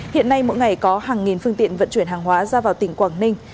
hiện nay mỗi ngày có hàng nghìn phương tiện vận chuyển hàng hóa ra vào tỉnh quảng ninh